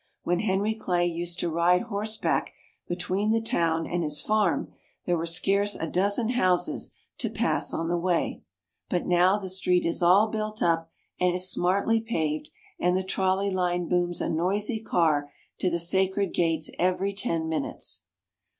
When Henry Clay used to ride horseback between the town and his farm there were scarce a dozen houses to pass on the way, but now the street is all built up, and is smartly paved, and the trolley line booms a noisy car to the sacred gates every ten minutes.